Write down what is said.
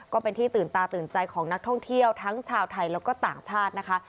ก็เป็นที่ตื่นตาตื่นใจของนักท่องเที่ยวทั้งชาวไทยแล้วก็ต่างชาตินะคะ